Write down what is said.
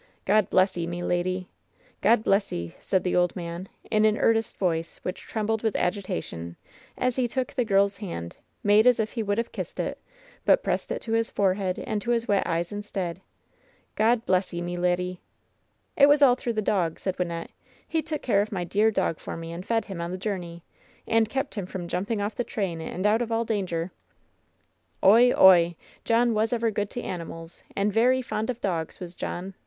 God bless 'ee, me leddy! God bless 'ee!" said the old man, in an earnest voice which trembled with agitation, as he took the girl's hand, made as if he would have kissed it, but pressed it to his forehead and to his wet eyes instead — "God bless 'ee, me leddy !" "It was all through the dog," said Wynnette. "He took care of my dear dog for me, and fed him on the LOVE'S BITTEREST CUP 223 journey, and kept him from jumping off the train and out of all danger/' "Oy ! oy ! John was ever good to animals, and varry fond of dogs, was John.